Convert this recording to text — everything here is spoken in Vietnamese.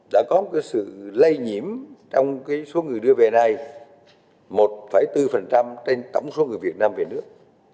đã có sự lây nhiễm trong số người đưa về này một bốn trên tổng số người việt nam về nước